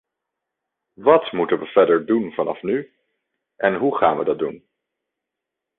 Wat moeten we verder doen vanaf nu, en hoe gaan we dat doen?